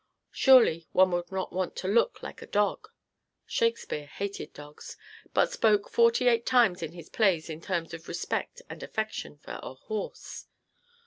Surely one would not want to look like a dog! Shakespeare hated dogs, but spoke forty eight times in his plays in terms of respect and affection for a horse.